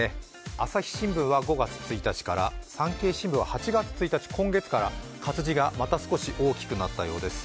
「朝日新聞」は５月１日から、産経新聞は８月１日、今月から活字がまた少し大きくなったようです。